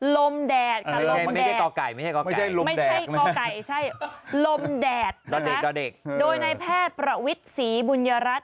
ลมแดดค่ะลมแดดไม่ใช่ก่อไก่ไม่ใช่ก่อไก่ใช่ลมแดดนะคะโดยนายแพทย์ประวิทธิ์ศรีบุญญารัฐ